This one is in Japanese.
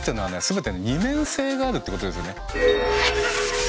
全て二面性があるってことですよね。